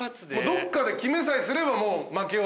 どっかで決めさえすればもう負けは。